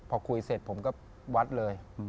พอคุยเสร็จผมก็วัดเลย